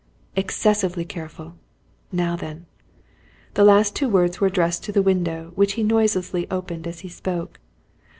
"Excessively careful! Now then." The last two words were addressed to the window which he noiselessly opened as he spoke.